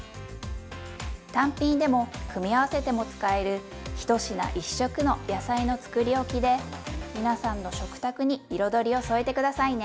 単品でも組み合わせても使える「１品１色の野菜のつくりおき」で皆さんの食卓に彩りを添えて下さいね。